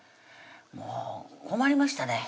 もう困りましたね